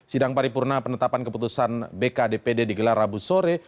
sidang paripurna penetapan keputusan bk dpd di gelar rabu sore